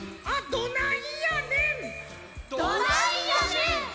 どないやねん！